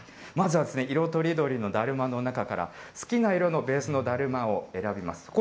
まずは色とりどりのだるまの中から、好きな色のベースのだるまを選びます。